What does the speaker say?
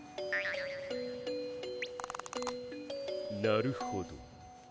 なるほど。